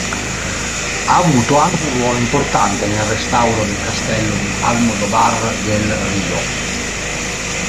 Ha avuto anche un ruolo importante nel restauro del castello di Almodóvar del Río.